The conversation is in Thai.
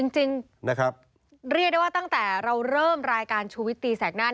จริงนะครับเรียกได้ว่าตั้งแต่เราเริ่มรายการชูวิตตีแสกหน้า